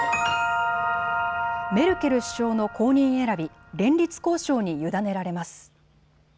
メルケル首相の後任選び、連立交渉に委ねられます。